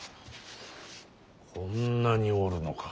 こんなにおるのか。